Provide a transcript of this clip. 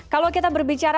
kalau kita berbicara